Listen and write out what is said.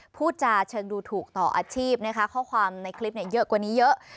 พูดจาเชิงดูถูกต่ออาชีพนะคะข้อความในคลิปเยอะกว่านี้เยอะ